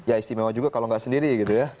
ya istimewa juga kalau nggak sendiri gitu ya